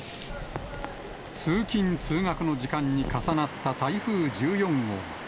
通勤・通学の時間に重なった台風１４号。